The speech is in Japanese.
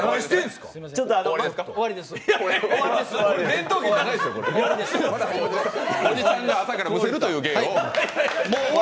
ちょっとおじさんが朝からむせるという芸を。